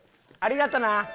ありがとな。